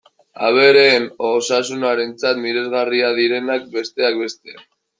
Abereen osasunarentzat miresgarriak direnak, besteak beste.